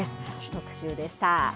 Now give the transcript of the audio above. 特集でした。